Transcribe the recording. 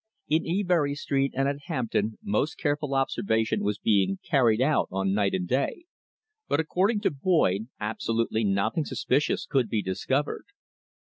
In Ebury Street and at Hampton most careful observation was being carried on night and day, but according to Boyd absolutely nothing suspicious could be discovered.